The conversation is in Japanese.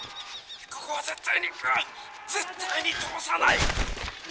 ここは絶対に絶対に通さない！」。